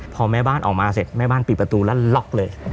พอแม่บ้านออกมาเสร็จแม่บ้านปิดประตูแล้วล็อกเลย